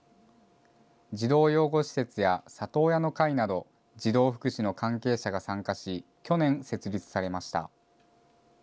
児童養護施設や里親の会など、児童福祉の関係者が参加し、去年設立されました。